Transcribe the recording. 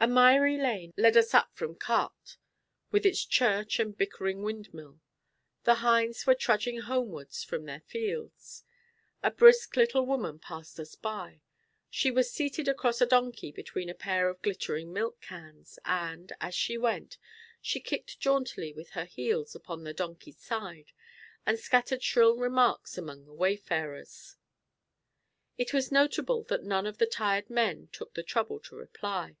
A miry lane led us up from Quartes with its church and bickering windmill. The hinds were trudging homewards from the fields. A brisk little woman passed us by. She was seated across a donkey between a pair of glittering milk cans; and, as she went, she kicked jauntily with her heels upon the donkey's side, and scattered shrill remarks among the wayfarers. It was notable that none of the tired men took the trouble to reply.